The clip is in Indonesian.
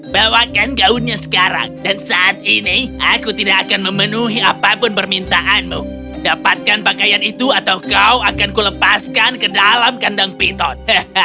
bawakan gaunnya sekarang dan saat ini aku tidak akan memenuhi apapun permintaanmu dapatkan pakaian itu atau kau akan kulepaskan ke dalam kandang piton